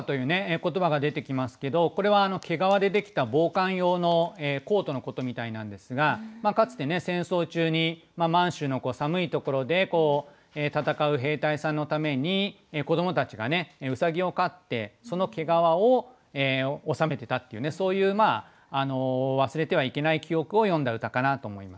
言葉が出てきますけどこれは毛皮で出来た防寒用のコートのことみたいなんですがかつてね戦争中に満州の寒いところで戦う兵隊さんのために子どもたちがね兎を飼ってその毛皮を納めてたっていうね忘れてはいけない記憶を詠んだ歌かなと思いますね。